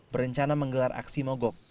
berencana menggelar aksi mogok